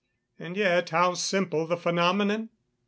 And yet how simple the phenomenon?